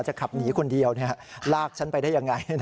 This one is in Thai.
ขับหนีคนเดียวลากฉันไปได้ยังไง